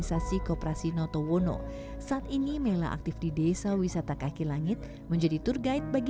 kalau berguna untuk orang itu bermanfaat juga dan